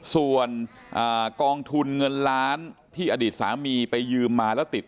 ส่วนกองทุนเงินล้านที่อดีตสามีไปยืมมาแล้วติด